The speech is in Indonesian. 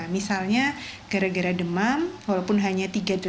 misalnya gara gara demam walaupun hanya tiga delapan